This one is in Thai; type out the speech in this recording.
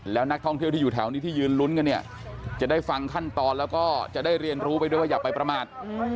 แล้วนักท่องเที่ยวที่อยู่แถวนี้ที่ยืนลุ้นกันเนี่ยจะได้ฟังขั้นตอนแล้วก็จะได้เรียนรู้ไปด้วยว่าอย่าไปประมาท